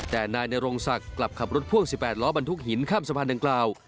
แต่นายนรงศักดิ์กลับขับรถพ่วง๑๘ล้อบรรทุกหินข้ามสะพานดังกล่าว